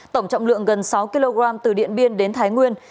tổng trọng lượng gần sáu kg từ điện biên đến thái nguyên